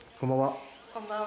こんばんは。